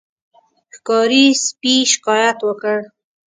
ښکاري سپي شکایت وکړ.